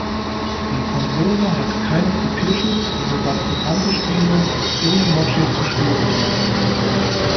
Die Konsole hat keinen Kopierschutz, so dass gebrannte Spiele ohne Mod-Chip gespielt werden können.